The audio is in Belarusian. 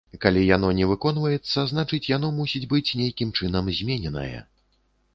Калі яно не выконваецца, значыць, яно мусіць быць нейкім чынам змененае.